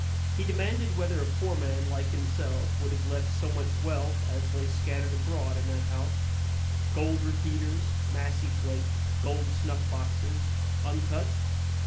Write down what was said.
He demanded whether a poor man like himself would have left so much wealth as lay scattered abroad in that house gold repeaters, massy plate, gold snuff boxes untouched?